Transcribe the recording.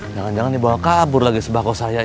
jangan jangan dia bawa kabur lagi sebah kosa saya